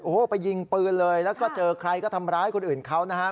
โอ้โหไปยิงปืนเลยแล้วก็เจอใครก็ทำร้ายคนอื่นเขานะครับ